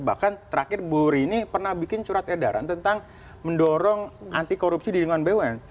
bahkan terakhir bu rini pernah bikin surat edaran tentang mendorong anti korupsi di lingkungan bumn